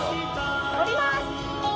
降ります。